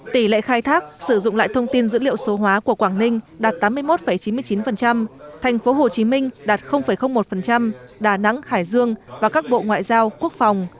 tỷ lệ khai thác sử dụng lại thông tin dữ liệu số hóa của quảng ninh đạt tám mươi một chín mươi chín thành phố hồ chí minh đạt một đà nẵng hải dương và các bộ ngoại giao quốc phòng